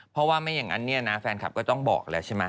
เพราะว่าไม่อย่างนั้นเนี่ยนะแฟนคลับก็ต้องบอกแล้วใช่ไหม